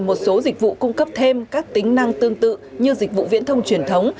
một số dịch vụ cung cấp thêm các tính năng tương tự như dịch vụ viễn thông truyền thống